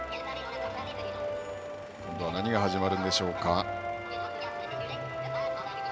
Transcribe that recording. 何が始まるんでしょうか。